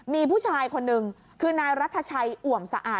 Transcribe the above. มีผู้ชายคนนึงคือนายรัฐชัยอ่วมสะอาด